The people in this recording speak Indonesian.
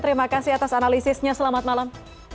terima kasih atas analisisnya selamat malam